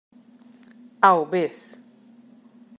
Au, vés.